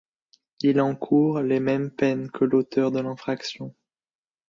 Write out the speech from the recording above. Il encourt les mêmes peines que l'auteur de l'infraction.